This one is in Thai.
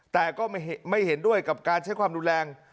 แต่ก็ไม่เห็นด้วยกับการใช้ความรุนแรง